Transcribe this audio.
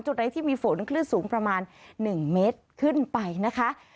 ไหนที่มีฝนคลื่นสูงประมาณ๑เมตรขึ้นไปนะคะ